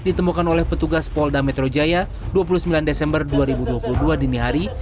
ditemukan oleh petugas polda metro jaya dua puluh sembilan desember dua ribu dua puluh dua dini hari